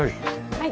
はい。